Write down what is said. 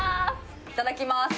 いただきます。